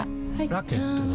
ラケットは？